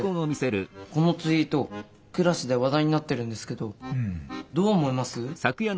このツイートクラスで話題になってるんですけどどう思います？